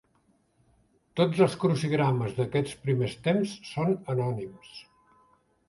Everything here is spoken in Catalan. Tots els crucigrames d'aquests primers temps són anònims.